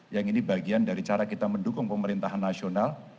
yang ini bagian dari cara kita mendukung pemerintahan nasional